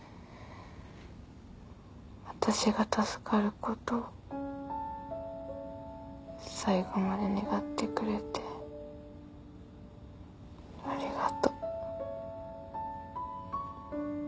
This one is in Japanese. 私が助かること最後まで願ってくれてありがとう。